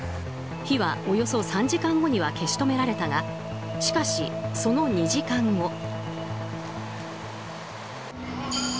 火はおよそ３時間後には消し止められたがしかし、その２時間後。